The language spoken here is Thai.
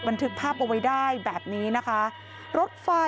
มันถือกภาพเอาไว้ได้แบบนี้นะคะ